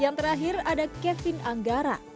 yang terakhir ada kevin anggara